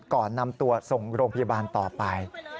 ก่อนนำตัวส่งโรงพยาบาลต่อไป